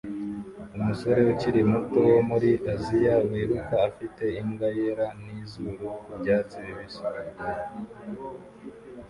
Umusore ukiri muto wo muri Aziya wiruka afite imbwa yera nizuru ku byatsi bibisi